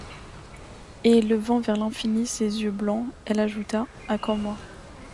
Et, levant vers l’infini ses yeux blancs, elle ajouta: — À quand moi?